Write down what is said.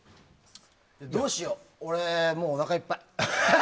どうしよう、俺もうおなかいっぱい。